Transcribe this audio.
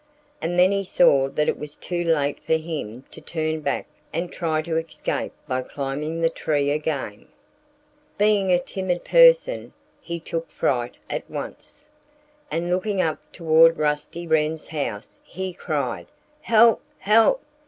And then he saw that it was too late for him to turn back and try to escape by climbing the tree again. Being a timid person, he took fright at once. And looking up toward Rusty Wren's house he cried, "Help! help!"